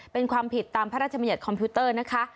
เป็นความผิดตามพระราชมัญญัติคอมพิวเตอร์นะคะ